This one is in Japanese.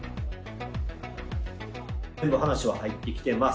全部話は入ってきてます。